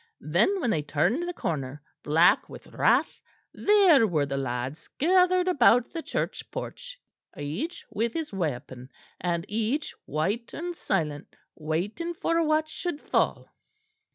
Then, when they turned the corner, black with wrath, there were the lads gathered about the church porch each with his weapon, and each white and silent, waiting for what should fall.